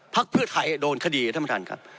ภักดิ์เพื่อไทยโดนคดีครับท่านประธานครับ